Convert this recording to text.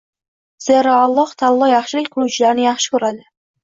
Zero, Alloh taolo yaxshilik qiluvchilarni yaxshi ko‘radi”